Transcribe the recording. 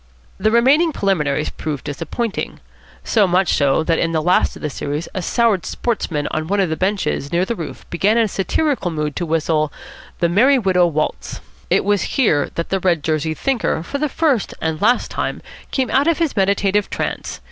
The remaining preliminaries proved disappointing. So much so that in the last of the series a soured sportsman on one of the benches near the roof began in satirical mood to whistle the "Merry Widow Waltz." It was here that the red jerseyed thinker for the first and last time came out of his meditative trance.